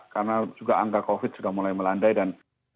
karena juga angka covid juga mulai melandai dan